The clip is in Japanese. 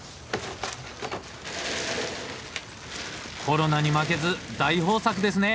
コロナに負けず大豊作ですね。